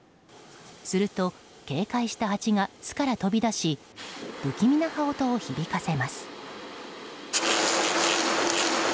すると、警戒したハチが巣から飛び出し不気味な羽音を響かせます。